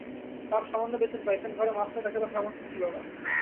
বাপ সামান্য বেতন পাইতেন, ঘরে মাস্টার রাখিবার সামর্থ্য ছিল না।